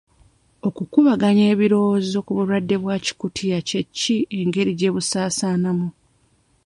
Okukubaganya ebirowoozo ku bulwadde bwa Kikutiya kye ki n'engeri gye busaasaanamu